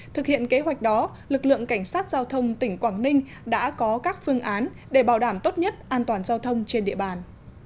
thực hiện kế hoạch đó lực lượng cảnh sát giao thông tỉnh quảng ninh đã có các phương án để bảo đảm tốt nhất an toàn giao thông trên địa bàn